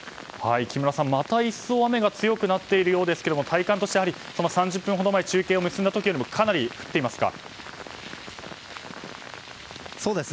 木村さん、また一層雨が強くなっているようですが体感では３０分ほど前に中継を結んだ時よりも降っていますか？